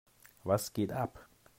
Was geht ab?